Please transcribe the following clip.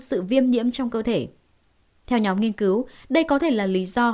sự viêm nhiễm trong cơ thể theo nhóm nghiên cứu đây có thể là lý do